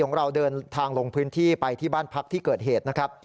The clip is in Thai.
ของเราเดินทางลงพื้นที่ไปที่บ้านพักที่เกิดเหตุนะครับ